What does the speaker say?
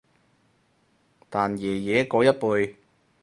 但爺爺嗰一輩